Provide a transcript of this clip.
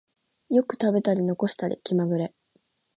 よく食べたり残したり気まぐれ